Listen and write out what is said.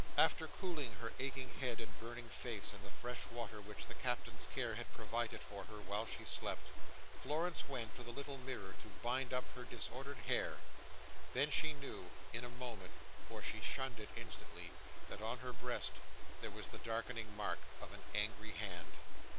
After cooling her aching head and burning face in the fresh water which the Captain's care had provided for her while she slept, Florence went to the little mirror to bind up her disordered hair. Then she knew—in a moment, for she shunned it instantly, that on her breast there was the darkening mark of an angry hand.